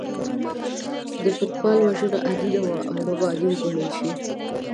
د پتيال وژنه عادي نه وه او نه به عادي وګڼل شي.